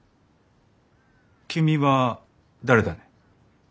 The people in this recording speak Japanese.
君は誰だね？